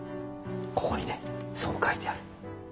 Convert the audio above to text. ここにねそう書いてある。